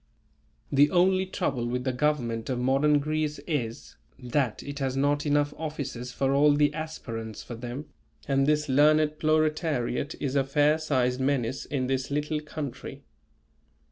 The only trouble with the government of modern Greece is, that it has not enough offices for all the aspirants for them, and this learned proletariat is a fair sized menace in this little country.